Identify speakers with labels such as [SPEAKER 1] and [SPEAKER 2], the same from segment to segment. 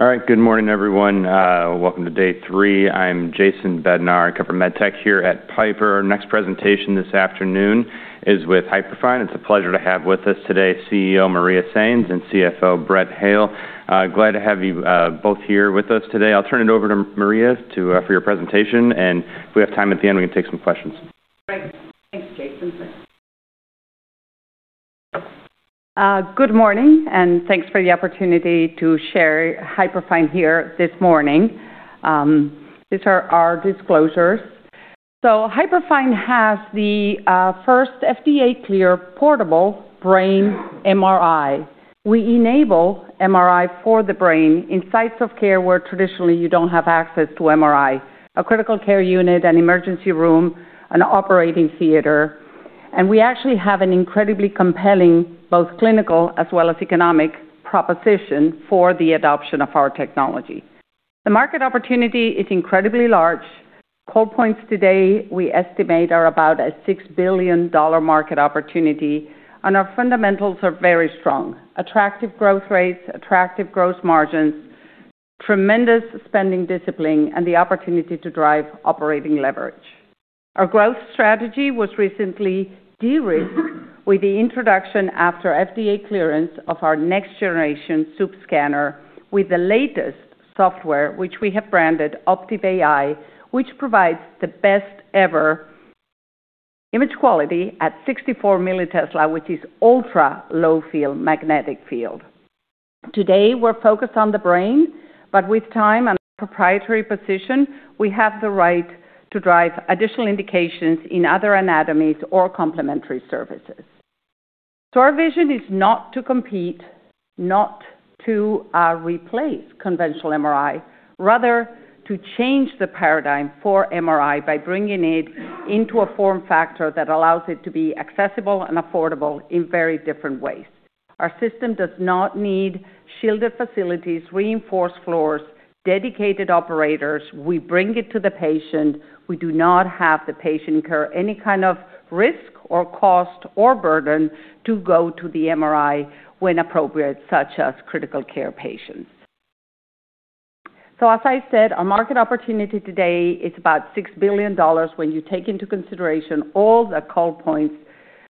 [SPEAKER 1] All right, good morning everyone. Welcome to day three. I'm Jason Bednar, I cover medtech here at Piper. Our next presentation this afternoon is with Hyperfine. It's a pleasure to have with us today CEO Maria Sainz and CFO Brett Hale. Glad to have you both here with us today. I'll turn it over to Maria for your presentation, and if we have time at the end, we can take some questions.
[SPEAKER 2] Thanks, Jason. Good morning, and thanks for the opportunity to share Hyperfine here this morning. These are our disclosures. Hyperfine has the first FDA-cleared portable brain MRI. We enable MRI for the brain in sites of care where traditionally you don't have access to MRI: a critical care unit, an emergency room, an operating theater. We actually have an incredibly compelling both clinical as well as economic proposition for the adoption of our technology. The market opportunity is incredibly large. The total addressable market today we estimate is about a $6 billion market opportunity, and our fundamentals are very strong: attractive growth rates, attractive gross margins, tremendous spending discipline, and the opportunity to drive operating leverage. Our growth strategy was recently de-risked with the introduction after FDA clearance of our next generation Swoop scanner with the latest software, which we have branded Optive AI, which provides the best ever image quality at 64 millitesla, which is ultra-low field magnetic field. Today we're focused on the brain, but with time and proprietary position, we have the right to drive additional indications in other anatomies or complementary services. Our vision is not to compete, not to replace conventional MRI, rather to change the paradigm for MRI by bringing it into a form factor that allows it to be accessible and affordable in very different ways. Our system does not need shielded facilities, reinforced floors, dedicated operators. We bring it to the patient. We do not have the patient incur any kind of risk or cost or burden to go to the MRI when appropriate, such as critical care patients. So as I said, our market opportunity today is about $6 billion when you take into consideration all the cold points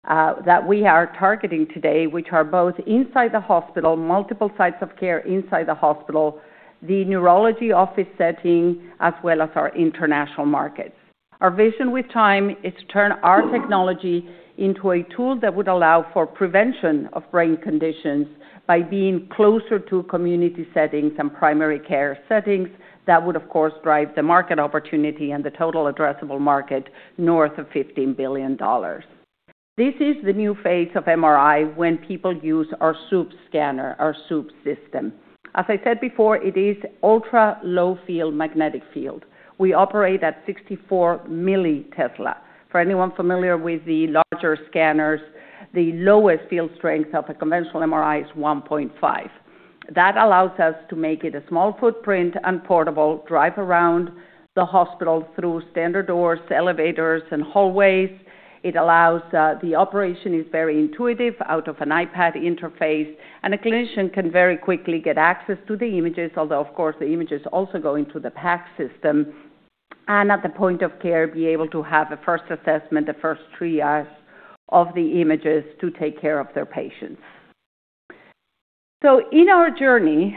[SPEAKER 2] that we are targeting today, which are both inside the hospital, multiple sites of care inside the hospital, the neurology office setting, as well as our international markets. Our vision with time is to turn our technology into a tool that would allow for prevention of brain conditions by being closer to community settings and primary care settings. That would, of course, drive the market opportunity and the total addressable market north of $15 billion. This is the new phase of MRI when people use our Swoop scanner, our Swoop system. As I said before, it is ultra-low field magnetic field. We operate at 64 millitesla. For anyone familiar with the larger scanners, the lowest field strength of a conventional MRI is 1.5. That allows us to make it a small footprint and portable, drive around the hospital through standard doors, elevators, and hallways. It allows the operation is very intuitive out of an iPad interface, and a clinician can very quickly get access to the images, although of course the images also go into the PACS system, and at the point of care be able to have a first assessment, the first triage of the images to take care of their patients, so in our journey,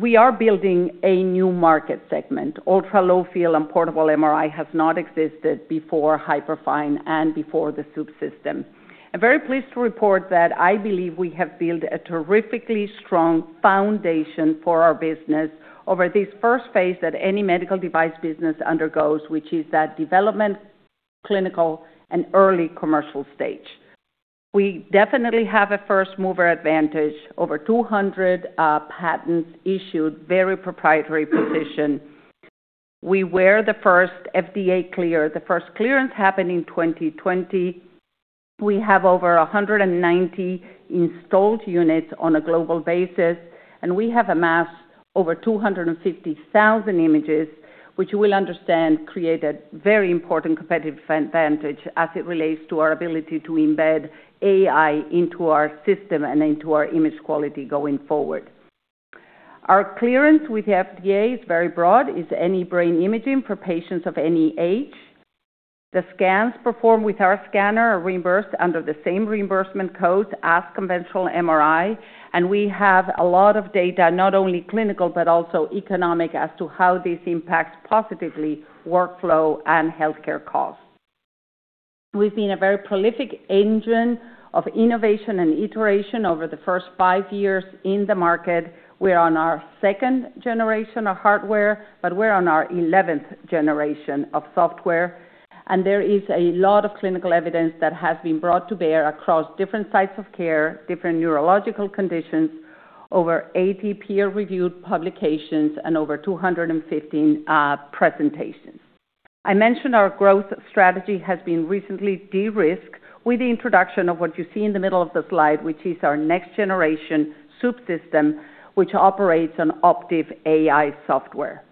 [SPEAKER 2] we are building a new market segment. ultra-low field and portable MRI has not existed before Hyperfine and before the Swoop system. I'm very pleased to report that I believe we have built a terrifically strong foundation for our business over this first phase that any medical device business undergoes, which is that development, clinical, and early commercial stage. We definitely have a first mover advantage, over 200 patents issued, very proprietary position. We were the first FDA-cleared. The first clearance happened in 2020. We have over 190 installed units on a global basis, and we have amassed over 250,000 images, which you will understand created very important competitive advantage as it relates to our ability to embed AI into our system and into our image quality going forward. Our clearance with the FDA is very broad. It's any brain imaging for patients of any age. The scans performed with our scanner are reimbursed under the same reimbursement codes as conventional MRI, and we have a lot of data, not only clinical but also economic, as to how this impacts positively workflow and healthcare costs. We've been a very prolific engine of innovation and iteration over the first five years in the market. We're on our second generation of hardware, but we're on our 11th generation of software, and there is a lot of clinical evidence that has been brought to bear across different sites of care, different neurological conditions, over 80 peer-reviewed publications, and over 215 presentations. I mentioned our growth strategy has been recently de-risked with the introduction of what you see in the middle of the slide, which is our next generation Swoop system, which operates on Optive AI software.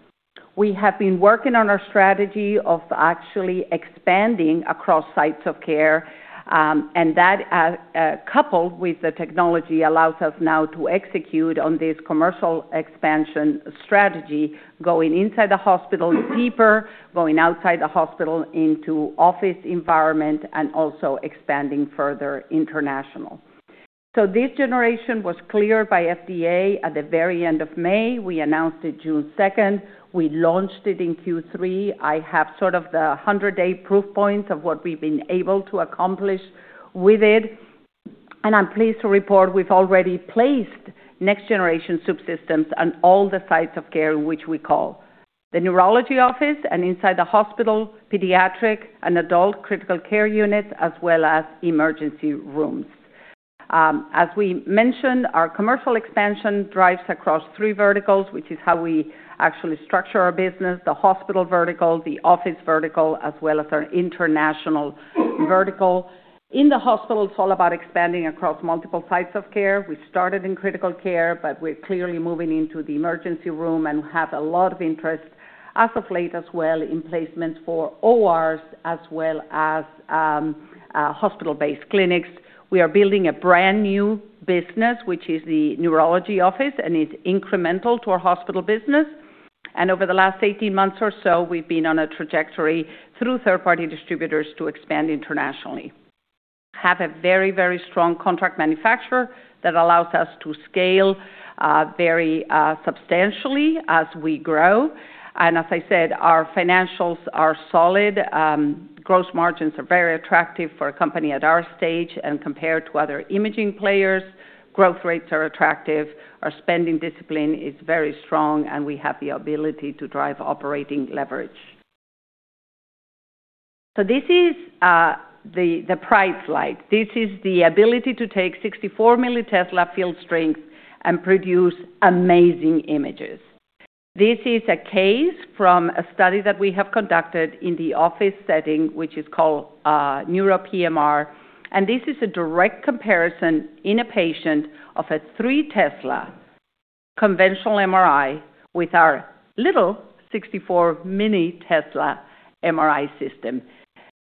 [SPEAKER 2] We have been working on our strategy of actually expanding across sites of care, and that coupled with the technology allows us now to execute on this commercial expansion strategy, going inside the hospital deeper, going outside the hospital into office environment, and also expanding further international, so this generation was cleared by FDA at the very end of May. We announced it June 2nd. We launched it in Q3. I have sort of the 100-day proof points of what we've been able to accomplish with it, and I'm pleased to report we've already placed next generation Swoop systems on all the sites of care which we call the neurology office and inside the hospital, pediatric, and adult critical care units, as well as emergency rooms. As we mentioned, our commercial expansion drives across three verticals, which is how we actually structure our business: the hospital vertical, the office vertical, as well as our international vertical. In the hospital, it's all about expanding across multiple sites of care. We started in critical care, but we're clearly moving into the emergency room and have a lot of interest as of late as well in placements for ORs as well as hospital-based clinics. We are building a brand new business, which is the neurology office, and it's incremental to our hospital business, over the last 18 months or so, we've been on a trajectory through third-party distributors to expand internationally. We have a very, very strong contract manufacturer that allows us to scale very substantially as we grow, and as I said, our financials are solid. Gross margins are very attractive for a company at our stage and compared to other imaging players. Growth rates are attractive. Our spending discipline is very strong, and we have the ability to drive operating leverage. So this is the pride flight. This is the ability to take 64 millitesla field strength and produce amazing images. This is a case from a study that we have conducted in the office setting, which is called Neuro-PMR. And this is a direct comparison in a patient of a 3 tesla conventional MRI with our little 64 millitesla MRI system.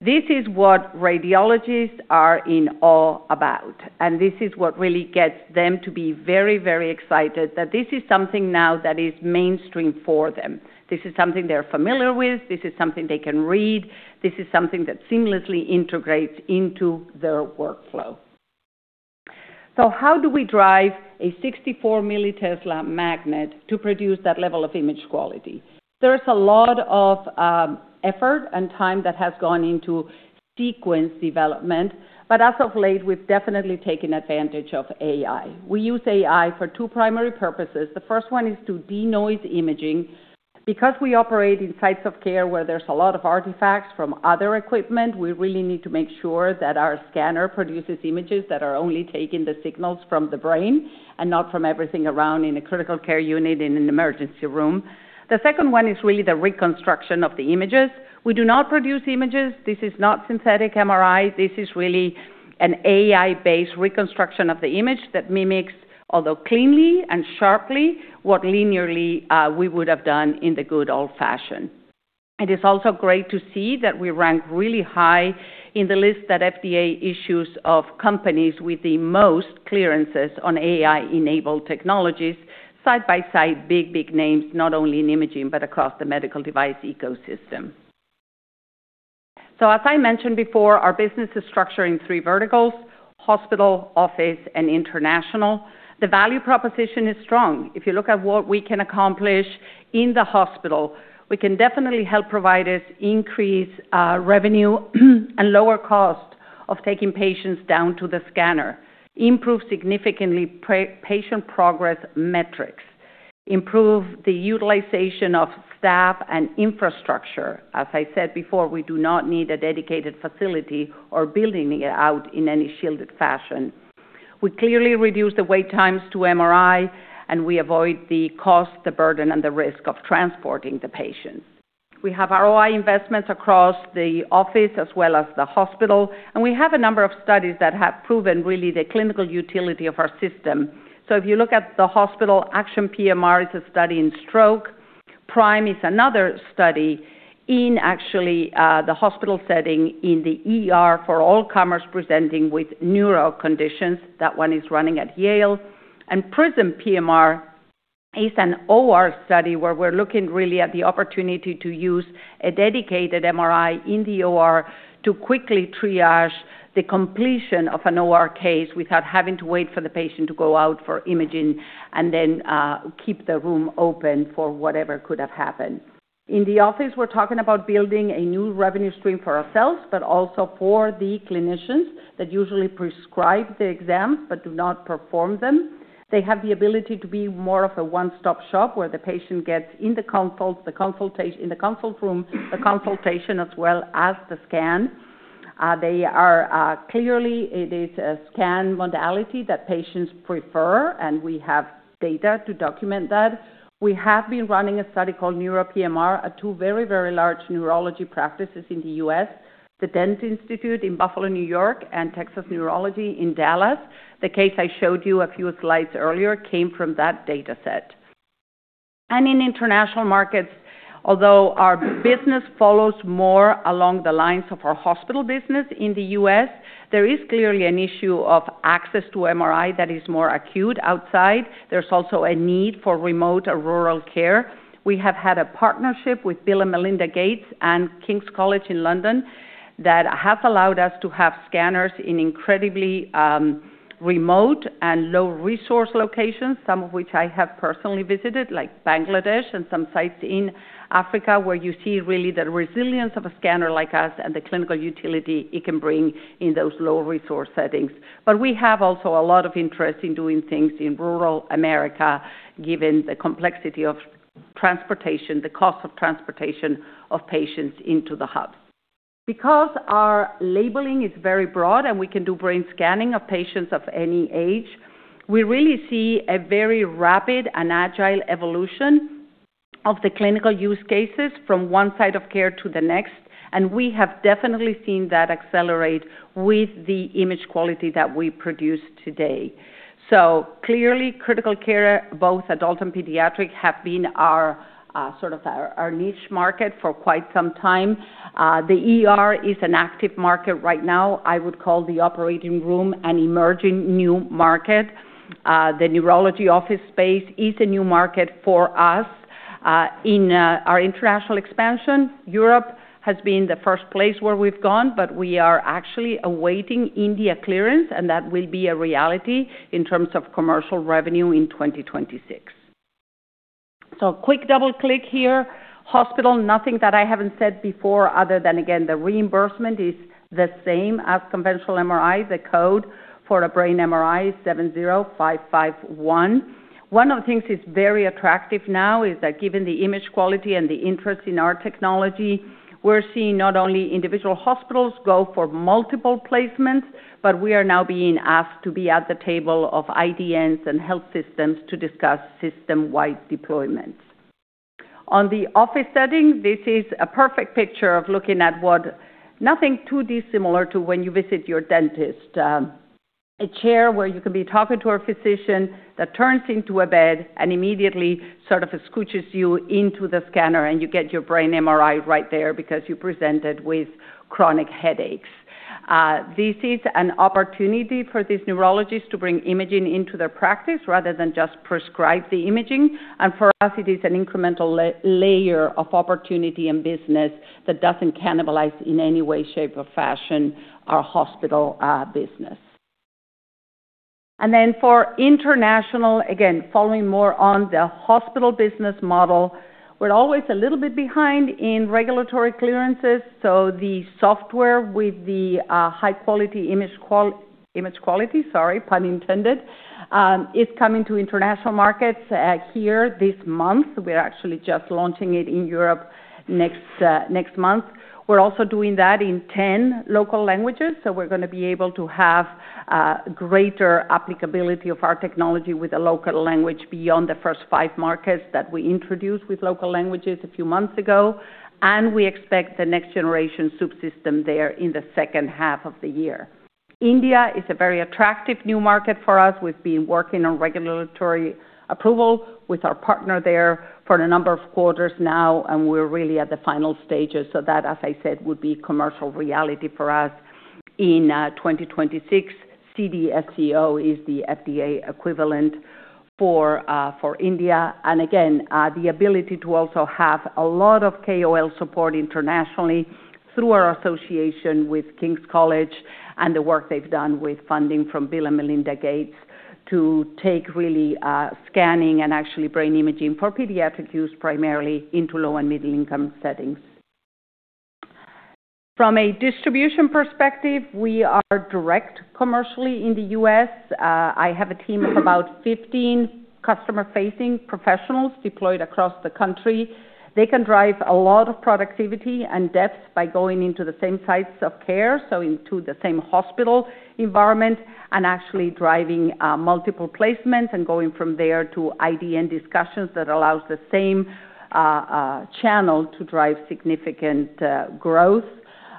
[SPEAKER 2] This is what radiologists are in awe about, and this is what really gets them to be very, very excited that this is something now that is mainstream for them. This is something they're familiar with. This is something they can read. This is something that seamlessly integrates into their workflow. So how do we drive a 64 millitesla magnet to produce that level of image quality? There is a lot of effort and time that has gone into sequence development, but as of late, we've definitely taken advantage of AI. We use AI for two primary purposes. The first one is to denoise imaging. Because we operate in sites of care where there's a lot of artifacts from other equipment, we really need to make sure that our scanner produces images that are only taking the signals from the brain and not from everything around in a critical care unit in an emergency room. The second one is really the reconstruction of the images. We do not produce images. This is not synthetic MRI. This is really an AI-based reconstruction of the image that mimics, although cleanly and sharply, what linearly we would have done in the good old-fashioned. It is also great to see that we rank really high in the list that FDA issues of companies with the most clearances on AI-enabled technologies, side by side, big, big names, not only in imaging but across the medical device ecosystem. So as I mentioned before, our business is structured in three verticals: hospital, office, and international. The value proposition is strong. If you look at what we can accomplish in the hospital, we can definitely help providers increase revenue and lower cost of taking patients down to the scanner, improve significantly patient progress metrics, improve the utilization of staff and infrastructure. As I said before, we do not need a dedicated facility or building it out in any shielded fashion. We clearly reduce the wait times to MRI, and we avoid the cost, the burden, and the risk of transporting the patient. We have ROI investments across the office as well as the hospital, and we have a number of studies that have proven really the clinical utility of our system. So if you look at the hospital ACTION PMR, it's a study in stroke. PRIME is another study in actually the hospital setting in the ER for all comers presenting with neuro conditions. That one is running at Yale. And PRISM PMR is an OR study where we're looking really at the opportunity to use a dedicated MRI in the OR to quickly triage the completion of an OR case without having to wait for the patient to go out for imaging and then keep the room open for whatever could have happened. In the office, we're talking about building a new revenue stream for ourselves, but also for the clinicians that usually prescribe the exams but do not perform them. They have the ability to be more of a one-stop shop where the patient gets in the consult, the consultation in the consult room, the consultation as well as the scan. They are clearly, it is a scan modality that patients prefer, and we have data to document that. We have been running a study called Neuro-PMR at two very, very large neurology practices in the U.S., the Dent Institute in Buffalo, New York, and Texas Neurology in Dallas, Texas. The case I showed you a few slides earlier came from that data set. And in international markets, although our business follows more along the lines of our hospital business in the U.S., there is clearly an issue of access to MRI that is more acute outside. There's also a need for remote or rural care. We have had a partnership with Bill and Melinda Gates and King's College in London that have allowed us to have scanners in incredibly remote and low-resource locations, some of which I have personally visited, like Bangladesh and some sites in Africa, where you see really the resilience of a scanner like us and the clinical utility it can bring in those low-resource settings. But we have also a lot of interest in doing things in rural America, given the complexity of transportation, the cost of transportation of patients into the hub. Because our labeling is very broad and we can do brain scanning of patients of any age, we really see a very rapid and agile evolution of the clinical use cases from one side of care to the next. And we have definitely seen that accelerate with the image quality that we produce today. So clearly, critical care, both adult and pediatric, have been our sort of niche market for quite some time. The ER is an active market right now. I would call the operating room an emerging new market. The neurology office space is a new market for us. In our international expansion, Europe has been the first place where we've gone, but we are actually awaiting India clearance, and that will be a reality in terms of commercial revenue in 2026. So quick double-click here. Hospital, nothing that I haven't said before other than, again, the reimbursement is the same as conventional MRI. The code for a brain MRI is 70551. One of the things that's very attractive now is that given the image quality and the interest in our technology, we're seeing not only individual hospitals go for multiple placements, but we are now being asked to be at the table of IDNs and health systems to discuss system-wide deployments. On the office setting, this is a perfect picture of looking at what nothing too dissimilar to when you visit your dentist. A chair where you can be talking to a physician that turns into a bed and immediately sort of scooches you into the scanner, and you get your brain MRI right there because you presented with chronic headaches. This is an opportunity for these neurologists to bring imaging into their practice rather than just prescribe the imaging. For us, it is an incremental layer of opportunity and business that doesn't cannibalize in any way, shape, or fashion our hospital business. Then for international, again, following more on the hospital business model, we're always a little bit behind in regulatory clearances. The software with the high-quality image quality, sorry, pun intended, is coming to international markets here this month. We're actually just launching it in Europe next month. We're also doing that in 10 local languages. We're going to be able to have greater applicability of our technology with a local language beyond the first five markets that we introduced with local languages a few months ago. We expect the next generation Swoop system there in the second half of the year. India is a very attractive new market for us. We've been working on regulatory approval with our partner there for a number of quarters now, and we're really at the final stages so that, as I said, would be commercial reality for us in 2026. CDSCO is the FDA equivalent for India. And again, the ability to also have a lot of KOL support internationally through our association with King's College and the work they've done with funding from Bill and Melinda Gates to take really scanning and actually brain imaging for pediatric use primarily into low and middle-income settings. From a distribution perspective, we are direct commercially in the U.S. I have a team of about 15 customer-facing professionals deployed across the country. They can drive a lot of productivity and depth by going into the same sites of care, so into the same hospital environment, and actually driving multiple placements and going from there to IDN discussions that allows the same channel to drive significant growth.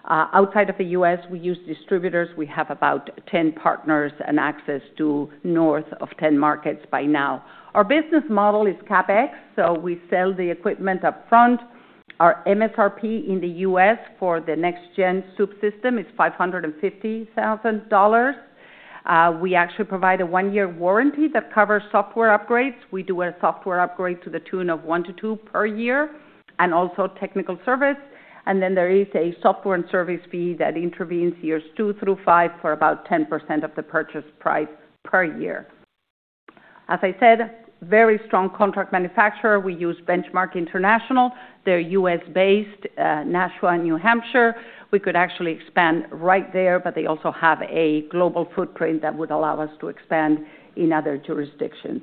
[SPEAKER 2] Outside of the U.S., we use distributors. We have about 10 partners and access to north of 10 markets by now. Our business model is CapEx, so we sell the equipment upfront. Our MSRP in the U.S. for the next-gen Swoop system is $550,000. We actually provide a one-year warranty that covers software upgrades. We do a software upgrade to the tune of one to two per year and also technical service. And then there is a software and service fee that intervening years two through five for about 10% of the purchase price per year. As I said, very strong contract manufacturer. We use Benchmark International. They're U.S.-based, Nashua, New Hampshire. We could actually expand right there, but they also have a global footprint that would allow us to expand in other jurisdictions.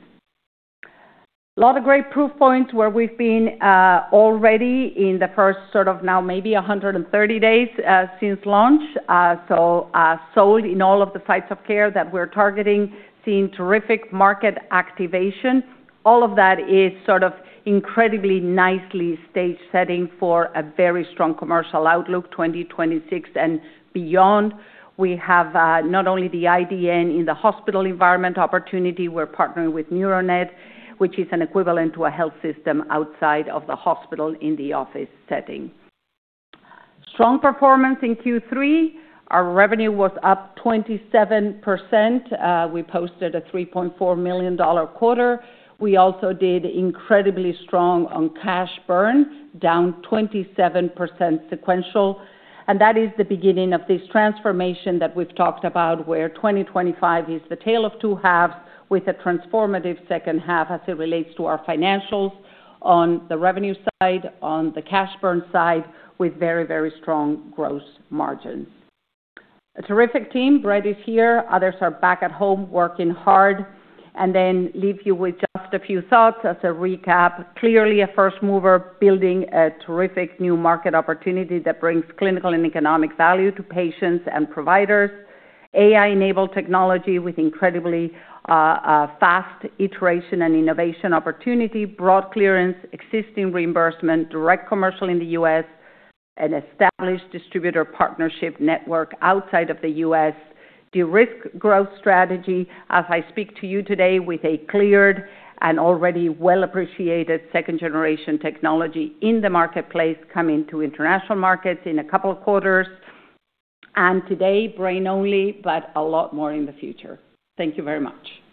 [SPEAKER 2] A lot of great proof points where we've been already in the first sort of now maybe 130 days since launch, so sold in all of the sites of care that we're targeting, seeing terrific market activation. All of that is sort of incredibly nicely staged setting for a very strong commercial outlook 2026 and beyond. We have not only the IDN in the hospital environment opportunity. We're partnering with NeuroNet, which is an equivalent to a health system outside of the hospital in the office setting. Strong performance in Q3. Our revenue was up 27%. We posted a $3.4 million quarter. We also did incredibly strong on cash burn, down 27% sequentially. And that is the beginning of this transformation that we've talked about where 2025 is the tale of two halves with a transformative second half as it relates to our financials on the revenue side, on the cash burn side, with very, very strong gross margins. A terrific team. Brett is here. Others are back at home working hard. And then leave you with just a few thoughts as a recap. Clearly, a first mover building a terrific new market opportunity that brings clinical and economic value to patients and providers. AI-enabled technology with incredibly fast iteration and innovation opportunity, broad clearance, existing reimbursement, direct commercial in the U.S., an established distributor partnership network outside of the U.S., de-risk growth strategy as I speak to you today with a cleared and already well-appreciated second-generation technology in the marketplace coming to international markets in a couple of quarters. Today, brain only, but a lot more in the future. Thank you very much.